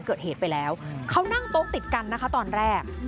เกิดเหตุไปแล้วเขานั่งโต๊ะติดกันนะคะตอนแรก